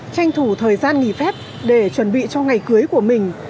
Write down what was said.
tranh thủ thời gian nghỉ phép để chuẩn bị cho ngày cưới của mình